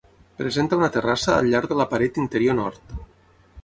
Presenta una terrassa al llarg de la paret interior nord.